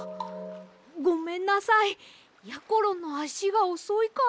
ごめんなさいやころのあしがおそいから。